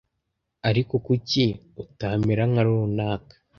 ariko kuki utamera nka runaka